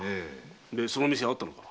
でその店はあったのか？